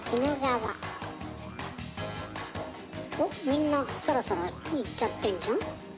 おっみんなサラサラいっちゃってんじゃん。